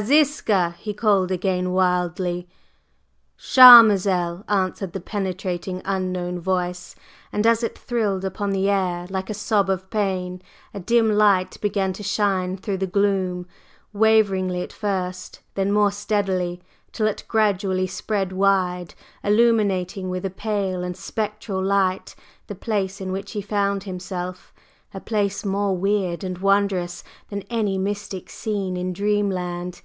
Ziska!" he called again wildly. "Charmazel!" answered the penetrating unknown voice; and as it thrilled upon the air like a sob of pain, a dim light began to shine through the gloom, waveringly at first, then more steadily, till it gradually spread wide, illuminating with a pale and spectral light the place in which he found himself, a place more weird and wondrous than any mystic scene in dream land.